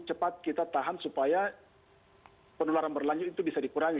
cepat kita tahan supaya penularan berlanjut itu bisa dikurangi